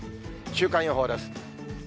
週間予報です。